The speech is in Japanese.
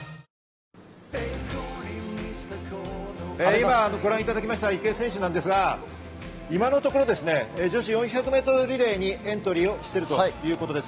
今、ご覧いただきました池江選手ですが、今のところ女子４００ｍリレーにエントリーをしているということです。